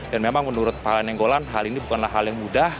dan memang menurut pak lana enggolan hal ini bukanlah hal yang mudah